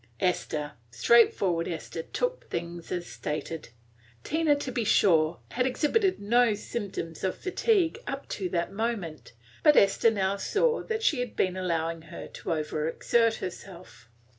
Esther, straightforward Esther, took things as stated. Tina, to be sure, had exhibited no symptoms of fatigue up to that moment; but Esther now saw that she had been allowing her to over exert herself.